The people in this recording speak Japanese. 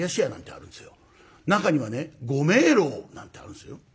中にはね五明楼なんてあるんですよ。